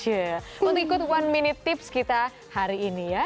untuk ikut one minute tips kita hari ini ya